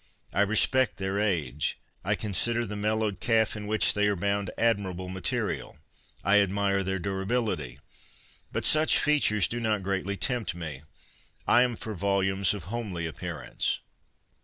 I respect their age. I consider the mellowed calf in which they are bound admirable material. I admire their durability. But such features do not greatly tempt me. I am for volumes of homely appearance.